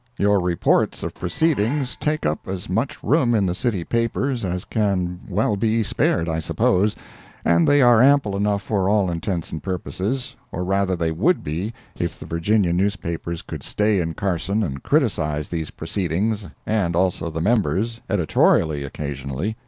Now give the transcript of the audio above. Your reports of proceedings take up as much room in the city papers as can well be spared, I suppose, and they are ample enough for all intents and purposes—or rather, they would be, if the Virginia newspapers could stay in Carson and criticize these proceedings, and also the members, editorially, occasionally.